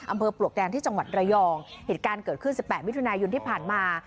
ปลวกแดงที่จังหวัดระยองเหตุการณ์เกิดขึ้นสิบแปดมิถุนายนที่ผ่านมา